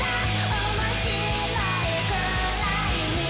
「おもしろいくらいに」